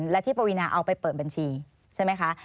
และที่ปวีนาเอาไปเปิดบัญชีใช่ไหมคะ